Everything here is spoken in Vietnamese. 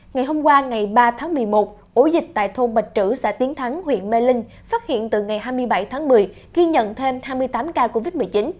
ngày hôm qua ngày ba tháng một mươi một ổ dịch tại thôn bạch trữ xã tiến thắng huyện mê linh phát hiện từ ngày hai mươi bảy tháng một mươi ghi nhận thêm hai mươi tám ca covid một mươi chín